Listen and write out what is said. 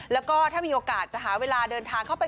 แล้วก็ถ้ามีโอกาสจะหาเวลาเดินทางเข้าไป